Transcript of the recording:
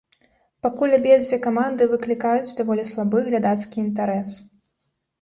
Пакуль абедзве каманды выклікаюць даволі слабы глядацкі інтарэс.